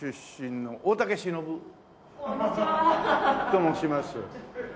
と申します。